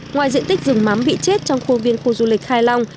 ngoài diện tích rừng mắm bị chết trong khuôn viên khu du lịch khai long